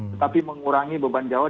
tetapi mengurangi beban jawa